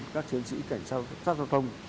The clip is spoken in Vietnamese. các chiến sĩ cảnh sát giao thông